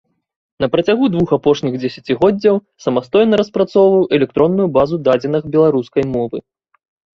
На працягу двух апошніх дзесяцігоддзяў самастойна распрацоўваў электронную базу дадзеных беларускай мовы.